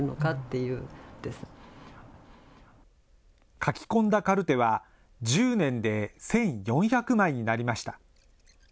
書き込んだカルテは、１０年で１４００枚になりました。